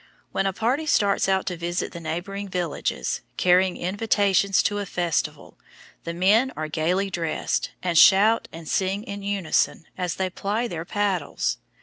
When a party starts out to visit the neighboring villages, carrying invitations to a festival, the men are gayly dressed, and shout and sing in unison as they ply their paddles.